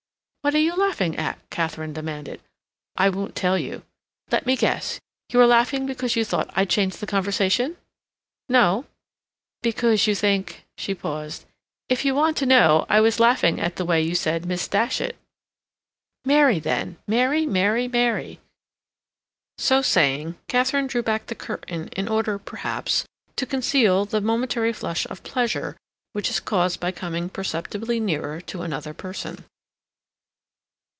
"What are you laughing at?" Katharine demanded. "I won't tell you." "Let me guess. You were laughing because you thought I'd changed the conversation?" "No." "Because you think—" She paused. "If you want to know, I was laughing at the way you said Miss Datchet." "Mary, then. Mary, Mary, Mary." So saying, Katharine drew back the curtain in order, perhaps, to conceal the momentary flush of pleasure which is caused by coming perceptibly nearer to another person.